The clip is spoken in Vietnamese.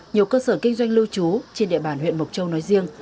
nhiều cơ sở kinh doanh lưu trú trên địa bàn huyện mộc châu nói riêng